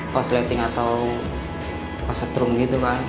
cosleting atau kosektrum gitu kan